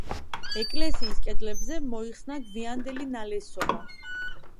ეკლესიის კედლებზე მოიხსნა გვიანდელი ნალესობა.